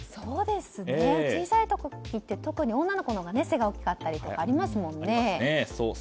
小さい時って特に女の子のほうが背が大きかったりとかありますもんね。